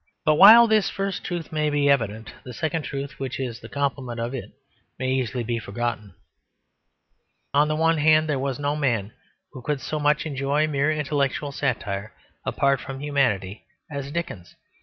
But while this first truth may be evident, the second truth which is the complement of it may easily be forgotten. On the one hand there was no man who could so much enjoy mere intellectual satire apart from humanity as Dickens.